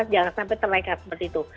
jangan sampai terlekat seperti itu